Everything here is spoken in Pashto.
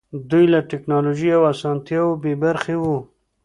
دوی له ټکنالوژۍ او اسانتیاوو بې برخې وو.